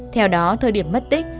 theo đó thời điểm mất tích